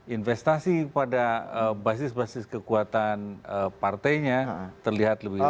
investasi pada basis basis kekuatan partainya terlihat lebih jauh